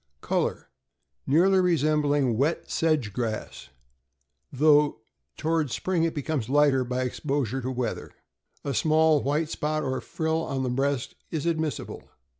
Color. Nearly resembling wet sedge grass, though THE CHESAPEAKE BAY DOG. 371 toward spring it becomes lighter by exposure to weather. A small white spot or frill on the breast is admissible.